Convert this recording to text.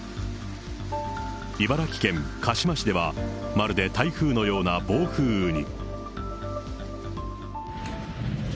茨城県鹿嶋市では、まるで台風のような暴風雨に。